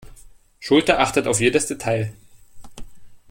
Schulte achtet auf jedes Detail.